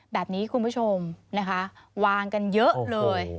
แบบนี้คุณผู้ชมนะคะวางกันเยอะเลย